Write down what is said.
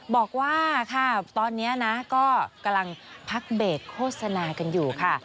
บอกว่าค่ะตอนนี้นะก็กำลังพักเบรกโฆษณากันอยู่ค่ะ